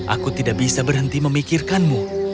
aku tidak bisa berhenti memikirkanmu